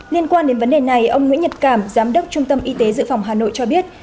liên quan đến vấn đề này ông nguyễn nhật cảm giám đốc trung tâm y tế dự phòng hà nội cho biết